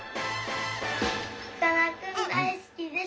さかなクン大好きです。